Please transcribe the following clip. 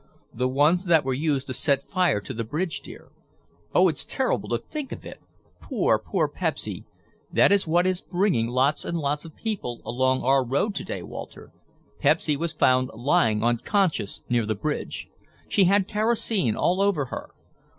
"The ones that were used to set fire to the bridge, dear. Oh, it's terrible to think of it. Poor, poor Pepsy. That is what is bringing lots and lots of people along our road to day, Walter. Pepsy was found lying unconscious near the bridge. She had kerosene all over her.